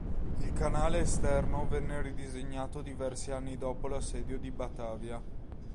Il canale esterno venne ridisegnato diversi anni dopo l'assedio di Batavia.